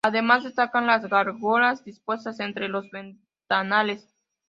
Además destacan las gárgolas dispuestas entre los ventanales.